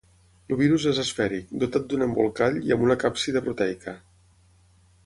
El virus és esfèric, dotat d'un embolcall i amb una càpsida proteica.